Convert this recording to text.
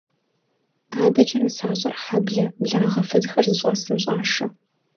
АдэкӀэ нысащӀэр хьэблэ, благъэ фызхэр зыщӀэсым щӀашэ.